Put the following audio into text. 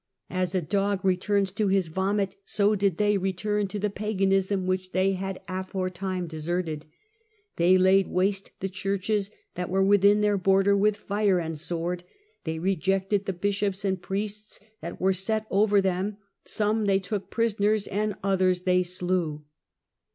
"As a dog returns to his vomit, so did they return to the paganism which they had aforetime deserted." " They laid waste the churches that were within their border with fire and sword ; they rejected the bishops and priests that were set over them ; some they took prisoners and others they slew."